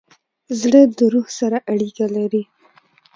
زړه د روح سره اړیکه لري.